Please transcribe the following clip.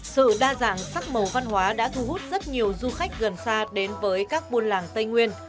sự đa dạng sắc màu văn hóa đã thu hút rất nhiều du khách gần xa đến với các buôn làng tây nguyên